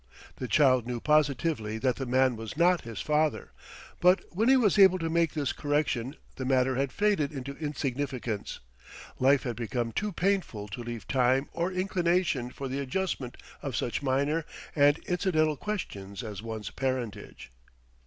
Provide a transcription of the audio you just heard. The child knew positively that the man was not his father, but when he was able to make this correction the matter had faded into insignificance: life had become too painful to leave time or inclination for the adjustment of such minor and incidental questions as one's parentage.